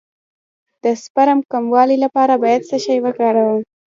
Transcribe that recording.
د سپرم د کموالي لپاره باید څه شی وکاروم؟